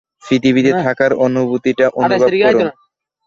পৃথিবীতে থাকার অনুভূতিটা অনুভব করুন।